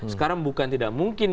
sekarang bukan tidak mungkin